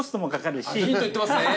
ヒント言ってますね。